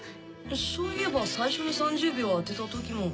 そういえば最初に３０秒当てた時も。